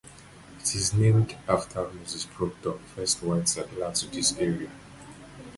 It is named after Moses Proctor, first white settler to this area.